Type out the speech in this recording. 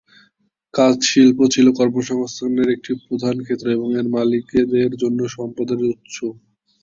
কাচ শিল্প ছিলো কর্মসংস্থানের একটি প্রধান ক্ষেত্র এবং এর মালিকদের জন্য সম্পদের উৎস।